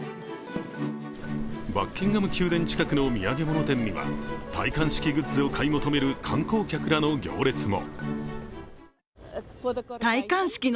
バッキンガム宮殿近くの土産物店には戴冠式グッズを買い求める観光客らの行列も。